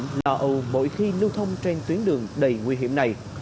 các dự án là ầu mỗi khi lưu thông trên tuyến đường đầy nguy hiểm này